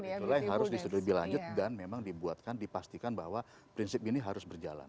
itulah yang harus disetujui lanjut dan memang dibuatkan dipastikan bahwa prinsip ini harus berjalan